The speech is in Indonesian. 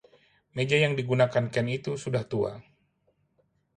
Meja yang digunakan Ken itu sudah tua.